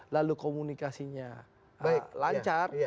lalu komunikasinya lancar